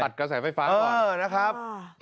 กระแสไฟฟ้าก่อนนะครับ